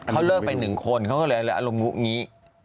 เขาเลิกไปหนึ่งคนเขาก็เหลืออารมณ์เหงือนี้